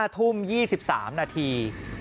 ๕ทุ่ม๒๓นาที